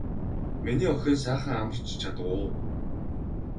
Миний охин сайхан амарч чадав уу.